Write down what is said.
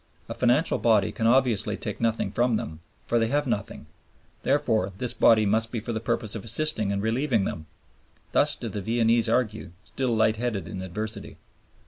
A financial body can obviously take nothing from them, for they have nothing; therefore this body must be for the purpose of assisting and relieving them. Thus do the Viennese argue, still light headed in adversity.